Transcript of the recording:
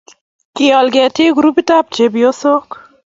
kial ketik groupitab chepyosok